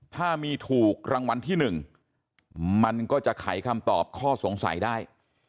ถ้ามีถูกรางวัลที่๑มันก็จะไขคำตอบข้อสงสัยได้